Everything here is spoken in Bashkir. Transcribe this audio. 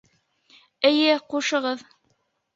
Эйе, ҡушығыҙ!